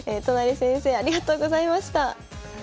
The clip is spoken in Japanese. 都成先生ありがとうございました。